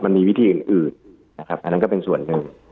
มันมีวิธีอื่นนะครับอันนั้นก็เป็นส่วนหนึ่ง